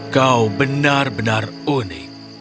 kau benar benar unik